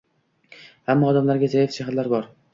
Hamma odamlardagi zaif jihatlar bor.